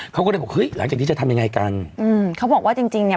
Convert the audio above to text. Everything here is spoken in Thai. เขาก็เลยบอกเฮ้ยหลังจากนี้จะทำยังไงกันอืมเขาบอกว่าจริงจริงเนี้ย